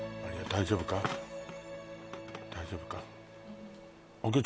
大丈夫か大丈夫か？